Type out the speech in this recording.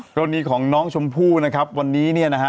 กรณีของน้องชมพู่วันนี้นะฮะ